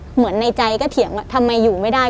เหมือนในใจก็เถียงว่าทำไมอยู่ไม่ได้